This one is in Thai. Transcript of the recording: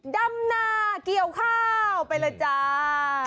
ดำนาเกี่ยวข้าวไปเลยจ้า